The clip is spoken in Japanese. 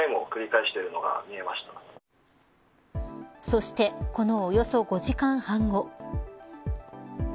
そしてこのおよそ５時間半後。